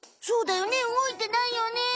そうだよね動いてないよね。